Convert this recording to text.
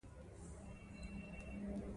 دریمه مجسمه په ریډینګ کې سنډفورډ اخیستې ده.